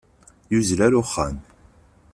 Yuzzel ɣer uxxam.